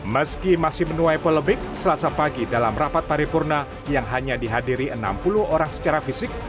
meski masih menuai polemik selasa pagi dalam rapat paripurna yang hanya dihadiri enam puluh orang secara fisik